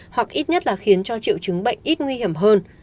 hoặc ít nhất là khiến cho triệu chứng bệnh ít nguy hiểm hơn